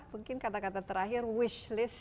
mungkin kata kata terakhir wish list